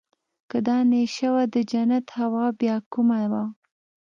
که دا نېشه وه د جنت هوا بيا کومه وه.